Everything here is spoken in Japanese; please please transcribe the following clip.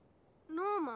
ノーマン！